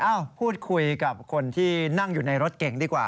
พูดคุยกับคนที่นั่งอยู่ในรถเก่งดีกว่า